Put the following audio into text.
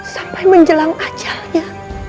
sampai menjelang ajalnya